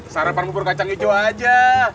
sarapan bubur kacang hijau aja